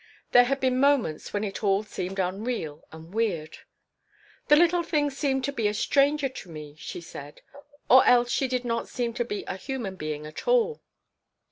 There had been moments when it all seemed unreal and weird "The little thing seemed to be a stranger to me," she said. "Or else, she did not seem to be a human being at all."